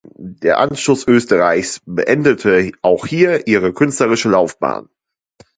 Der Anschluss Österreichs beendete auch hier ihre künstlerische Laufbahn.